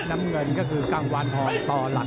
น้ำเงินก็คือกังวานหอยต่อหลัก